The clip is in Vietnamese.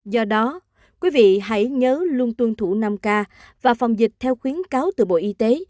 do đó quý vị hãy nhớ luôn tuân thủ năm k và phòng dịch theo khuyến cáo từ bộ y tế